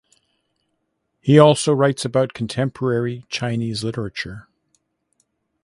He also writes about contemporary Chinese literature.